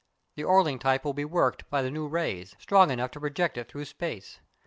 The Orling type will be worked by the new rays, strong enough to project it through space.